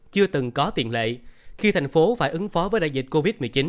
chưa từng có tiền lệ khi thành phố phải ứng phó với đại dịch covid một mươi chín